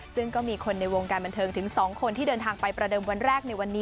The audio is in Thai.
ซึ่งก็มีคนในวงการบันเทิงถึง๒คนที่เดินทางไปประเดิมวันแรกในวันนี้